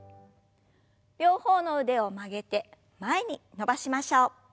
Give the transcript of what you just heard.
両方の腕を曲げて前に伸ばしましょう。